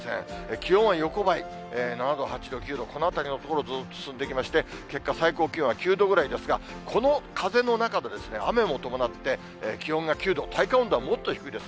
気温は横ばい、７度、８度、９度、このあたりのところをずっと進んでいきまして、結果、最高気温は９度ぐらいですが、この風の中で雨も伴って気温が９度、体感温度はもっと低いです。